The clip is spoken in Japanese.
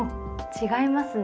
違いますね。